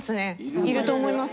いると思います。